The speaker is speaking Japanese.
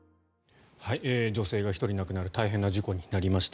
女性が１人亡くなる大変な事故になりました。